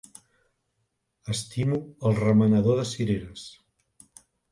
Estimo el remenador de cireres.